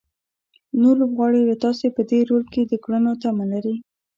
نور لوبغاړي له تاسو په دې رول کې د کړنو تمه لري.